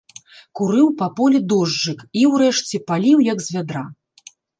Курыў па полі дожджык і, урэшце, паліў як з вядра.